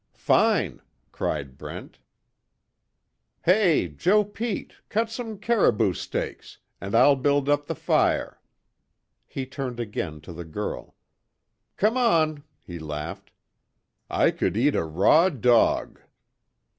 "Fine!" cried Brent, "Hey, Joe Pete, cut some caribou steaks, and I'll build up the fire!" He turned again to the girl, "Come on," he laughed, "I could eat a raw dog!"